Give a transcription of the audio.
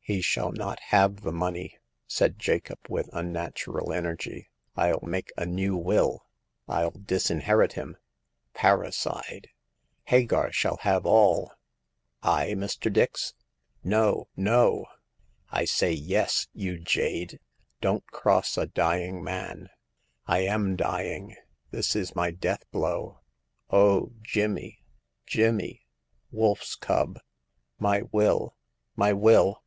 "He shall not have the money !" said Jacob with unnatural energy. " FU make a new will — ril disinherit him ! Parricide ! Hagar shall have all !"" I, Mr. Dix ? No, no !"" I say yes, you jade ! Don't cross a dying man. I am dying ; this is my death blow. O Jimmy, Jimmy ! Wolf's cub ! My will ! my will